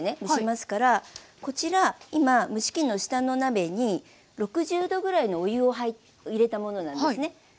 蒸しますからこちら今蒸し器の下の鍋に６０℃ぐらいのお湯を入れたものなんですね。